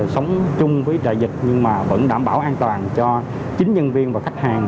sống chung với đại dịch nhưng mà vẫn đảm bảo an toàn cho chính nhân viên và khách hàng